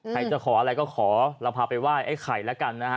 ใครจะขออะไรก็ขอเราพาไปไหว้ไอ้ไข่แล้วกันนะฮะ